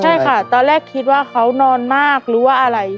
ใช่ค่ะตอนแรกคิดว่าเขานอนมากหรือว่าอะไร